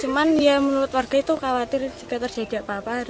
cuman ya menurut warga itu khawatir jika terjadi apa apa